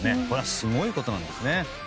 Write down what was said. これはすごいことなんですね。